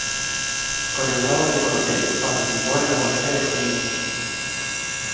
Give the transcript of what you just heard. Con el grado de coronel participó en la batalla de Junín.